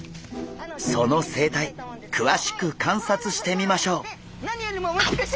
その生態くわしく観察してみましょう！